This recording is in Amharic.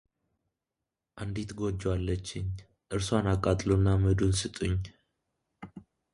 አንዲት ጎጆ አለችኝ፡፡ እርሷን አቃጥሉና አመዱን ስጡኝ፡፡